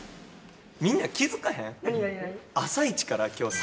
みんな気付かへん？